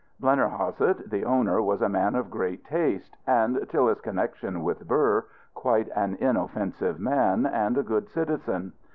Blennerhassett, the owner, was a man of great taste, and, till his connection with Burr, quite an inoffensive man, and a good citizen.